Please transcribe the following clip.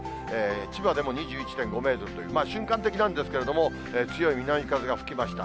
千葉でも２１．５メートルという、瞬間的なんですけれども、強い南風が吹きました。